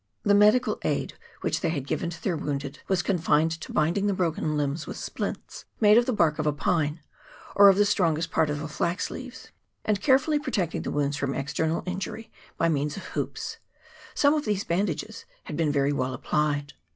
The medical aid which they had given to their wounded was confined to binding the broken limbs with splints made of the bark of a pine, or of the strongest part of the flax leaves, and carefully pro tecting the wounds from external injury by means of hoops. Some of these bandages had been very well applied.